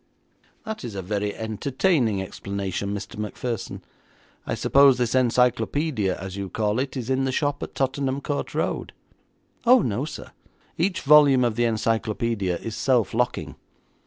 'That is a very entertaining explanation, Mr. Macpherson. I suppose this encyclopaedia, as you call it, is in the shop at Tottenham Court Road?' 'Oh, no, sir. Each volume of the encyclopaedia is self locking.